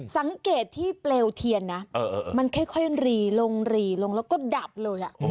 สังเกตที่เปลวเทียนนะมันค่อยหรี่ลงหรี่ลงแล้วก็ดับเลย